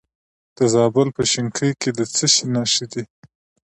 د زابل په شنکۍ کې د څه شي نښې دي؟